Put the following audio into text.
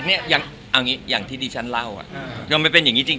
ก็นี่ไงอย่างที่ลืมฉันเล่าไม่ไม่เป็นอย่างนี้จริง